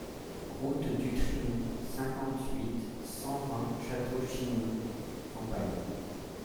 Route du Tridon, cinquante-huit, cent vingt Château-Chinon (Campagne)